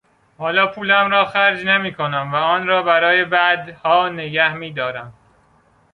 حالا پولم را خرج نمیکنم و آن را برای بعدها نگهمیدارم.